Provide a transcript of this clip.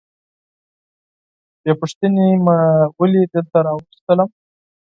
بې پوښتنې مو ولي دلته راوستلم؟